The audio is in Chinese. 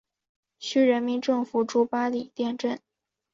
区人民政府驻八里店镇。